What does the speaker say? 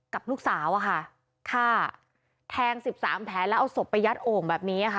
กับลูกสาวนะคะ